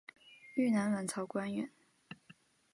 越南阮朝官员。